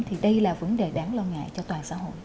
thì đây là vấn đề đáng lo ngại cho toàn xã hội